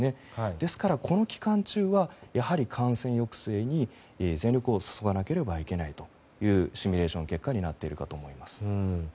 ですから、この期間中はやはり、感染抑制に全力を注がなければいけないというシミュレーション結果になっているかと思います。